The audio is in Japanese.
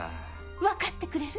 分かってくれる？